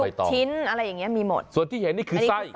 อารมณ์ของแม่ค้าอารมณ์การเสิรฟนั่งอยู่ตรงกลาง